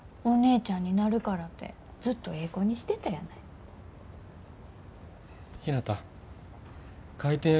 お姉ちゃんになるからてずっとええ子にしてたやない。